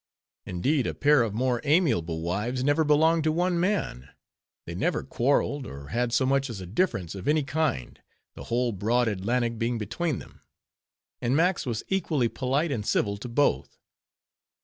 Indeed, a pair of more amiable wives never belonged to one man; they never quarreled, or had so much as a difference of any kind; the whole broad Atlantic being between them; and Max was equally polite and civil to both.